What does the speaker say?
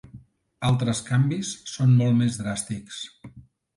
Altres canvis són molt més dràstics.